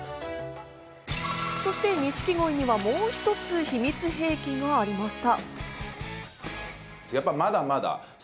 そして錦鯉にはもう一つ秘密兵器がありました。